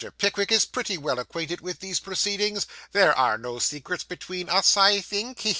Pickwick is pretty well acquainted with these proceedings. There are no secrets between us, I think.